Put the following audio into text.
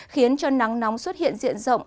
khiến cho nắng nóng xuất hiện diện rộng